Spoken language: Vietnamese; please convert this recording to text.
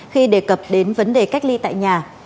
khi đề cập đến vấn đề cách ly tại nhà